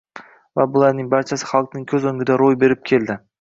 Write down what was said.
va bularning barchasi xalqning ko‘z o‘ngida ro‘y berib keldi.